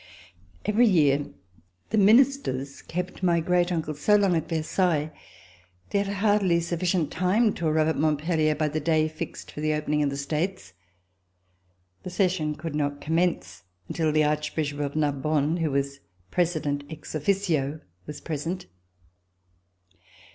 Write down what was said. Every year the Ministers kept my great uncle so long at Versailles that he had hardly sufficient time to arrive at Montpellier by the day fixed for the opening of the States. The session could not com mence until the Archbishop of Narbonne, who was President, ex officio, was present.